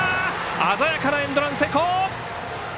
鮮やかなエンドラン、成功。